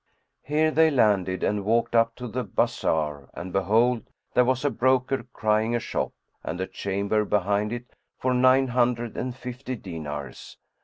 Here they landed and walked up to the bazar and behold, there was a broker crying a shop and a chamber behind it for nine hundred and fifty dinars.